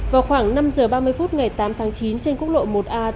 vào khoảng năm h ba mươi phút ngày tám tháng chín trên quốc lộ một a